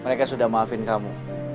mereka sudah maafin kamu